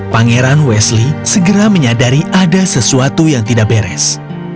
pangeran wesley segera menyadari ada sesuatu yang tidak beres